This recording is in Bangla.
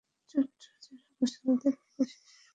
চাটুজ্যেরা ঘোষালদের উপর শেষ কোপটা দিলে সমাজের খাঁড়ায়।